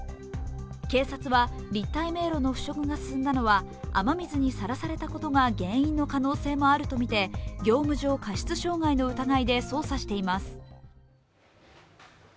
警察は立体迷路の腐食が進んだのは雨水にさらされたことが原因の可能性もあるとみて業務上過失傷害の疑いで捜査しています。